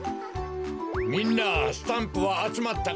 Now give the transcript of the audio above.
みんなスタンプはあつまったかな？